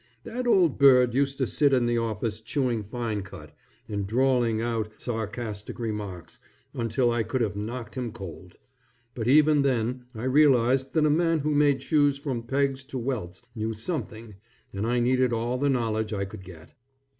That old bird used to sit in the office chewing fine cut, and drawling out sarcastic remarks, until I could have knocked him cold; but even then I realized that a man who made shoes from pegs to welts, knew something, and I needed all the knowledge I could get.